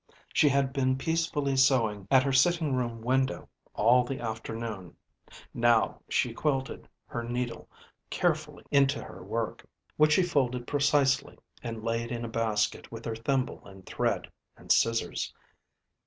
She had been peacefully sewing at her sitting room window all the afternoon. Now she quilted her needle carefully into her work, which she folded precisely, and laid in a basket with her thimble and thread and scissors.